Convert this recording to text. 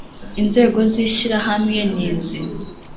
inzego z ishyirahamwe n izi